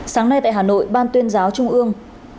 sáng nay tại hà nội ban tuyên giáo trung ương